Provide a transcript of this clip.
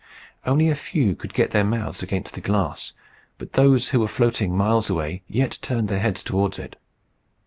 Only a few could get their mouths against the glass; but those who were floating miles away yet turned their heads towards it.